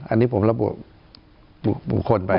อันนี้ผมระบุบุคคลไป